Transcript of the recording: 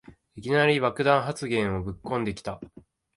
いきなり爆弾発言ぶっこんできた